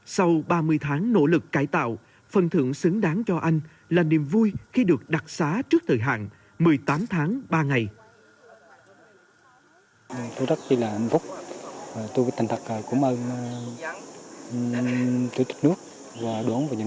sau ba mươi tháng nỗ lực cải tạo phần thưởng xứng đáng cho anh là niềm vui khi được đặc xá trước thời hạn một mươi tám tháng ba ngày